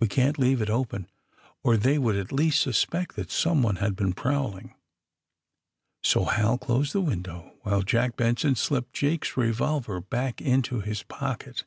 We can^t leave it open, or they would at least sus pect that someone had been prowling." So Hal closed the window, while Jack Benson slipped Jake's revolver back into his pocket.